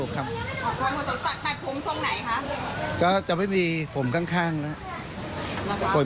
ก็ไม่มีผมข้างบน